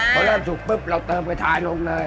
พอเริ่มสุกปุ๊บเราเติมไปทายลงเลย